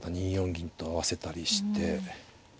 銀と合わせたりして。